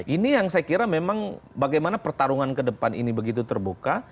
ini yang saya kira memang bagaimana pertarungan ke depan ini begitu terbuka